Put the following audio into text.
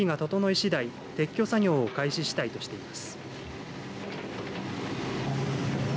しだい撤去作業を開始したいとしています。